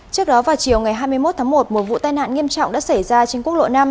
trước đó vào chiều ngày hai mươi một tháng một một vụ tai nạn nghiêm trọng đã xảy ra trên quốc lộ năm